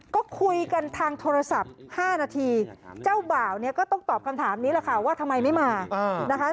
ก็คุยกันทางโทรศัพท์๕นาทีเจ้าบ่าวเนี่ยก็ต้องตอบคำถามนี้แหละค่ะว่าทำไมไม่มานะคะ